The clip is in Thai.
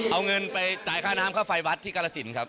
เอาเงินไปจ่ายค่าน้ำค่าไฟวัดที่กรสินครับ